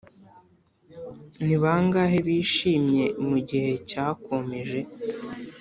ni bangahe bishimye mugihe cyakomeje,